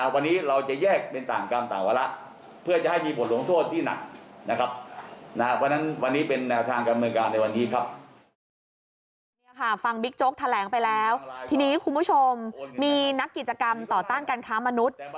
วันนี้เราจะแยกเป็นต่างกรรมต่างวาระเพื่อจะให้มีผลหลวงโทษที่หนักนะครับ